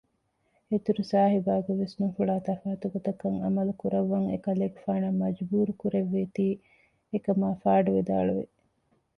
އިތުރުސާހިބާގެ ވިސްނުންފުޅާ ތަފާތު ގޮތަކަށް ޢަމަލުކުރައްވަން އެކަލޭގެފާނަށް މަޖްބޫރު ކުރެއްވީތީ އެކަމާ ފަޑުވިދާޅުވި